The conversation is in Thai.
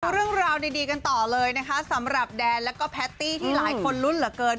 เรื่องราวดีกันต่อเลยนะคะสำหรับแดนแล้วก็แพตตี้ที่หลายคนลุ้นเหลือเกิน